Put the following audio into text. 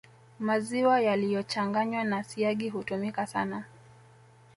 Maziwa yaliyochanganywa na siagi hutumika sana